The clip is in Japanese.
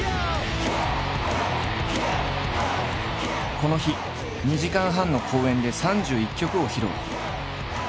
この日２時間半の公演で３１曲を披露。